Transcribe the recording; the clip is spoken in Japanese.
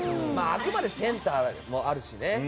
あくまでセンターもあるしね。